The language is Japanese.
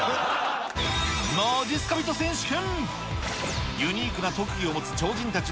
まじっすか人選手権。